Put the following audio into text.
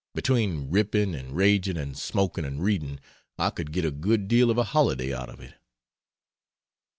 Between ripping and raging and smoking and reading, I could get a good deal of a holiday out of it.